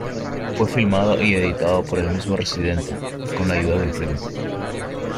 Fue filmado y editado por el mismo Residente, con la ayuda de un primo.